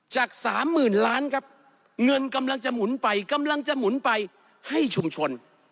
จากสามหมื่นล้านครับเงินกำลังจะหมุนไปกำลังจะหมุนไปให้ชุมชน